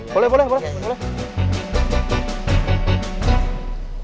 boleh boleh boleh